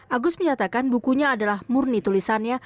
agus menyatakan bukunya adalah murni tulisannya